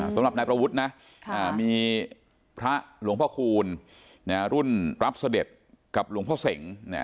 สำหรับนายประวุฒินะมีพระหลวงพ่อคูณรุ่นรับเสด็จกับหลวงพ่อเสง